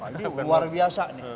jadi luar biasa nih